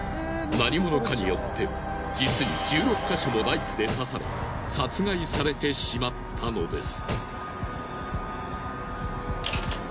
何者かによって実に１６箇所もナイフで刺され殺害されてしまったのです。